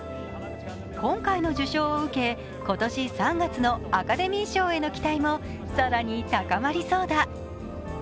今回の受賞を受け、今年３月のアカデミー賞への期待も更に高まりそうだ。